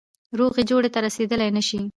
روغي جوړي ته رسېدلای نه سي.